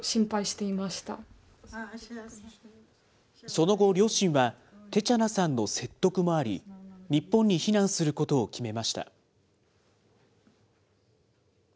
その後、両親はテチャナさんの説得もあり、日本に避難することを決めました。